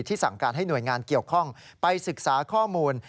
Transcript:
สั่งการให้หน่วยงานเกี่ยวข้องไปศึกษาข้อมูล